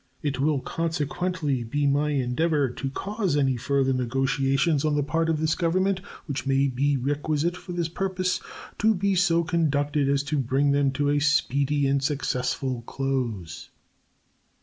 It will consequently be my endeavor to cause any further negotiations on the part of this Government which may be requisite for this purpose to be so conducted as to bring them to a speedy and successful close.